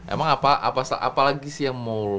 emang apa lagi sih yang mau